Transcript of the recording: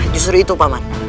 justru itu pak man